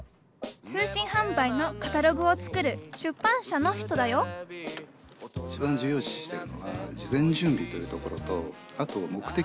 通信販売のカタログを作る出版社の人だよいちばん重要視してるのは事前準備というところとあと目的。